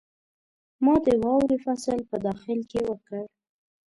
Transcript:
ما د واورې فصل په داخل کې وکړ.